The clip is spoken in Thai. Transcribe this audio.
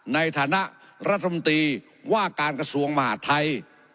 ในฐานะรัฐมนตรีว่าการกระทรวงมหาดไทย